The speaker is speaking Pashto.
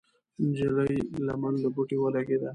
د نجلۍ لمن له بوټي ولګېده.